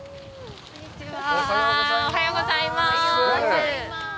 おはようございます。